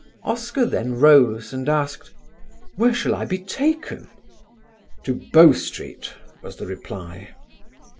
Oscar then rose and asked, "Where shall I be taken?" "To Bow Street," was the reply.